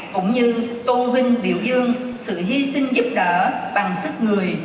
cũng như tôn vinh biểu dương sự hy sinh giúp đỡ bằng sức người